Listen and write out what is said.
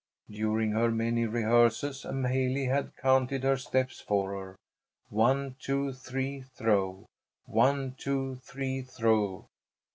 During her many rehearsals M'haley had counted her steps for her: "One, two, three throw! One, two, three throw!"